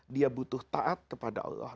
dia butuh taat kepada allah